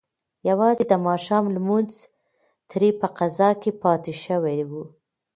یوازې د ماښام لمونځ ترې په قضا کې پاتې شوی و.